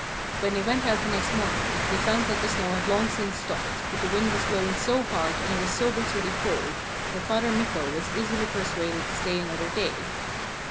When they went out the next morning, they found that the snow had long since stopped, but the wind was blowing so hard and it was so bitterly cold, that Father Mikko was easily persuaded to stay another day.